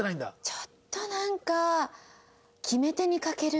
ちょっとなんか。